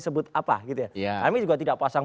sebut apa gitu ya kami juga tidak pasang